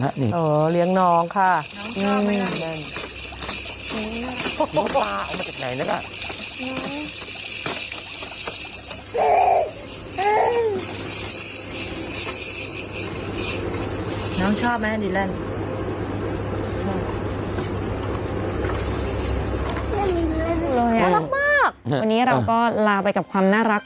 วันนี้เราก็ลาไปกับความน่ารัก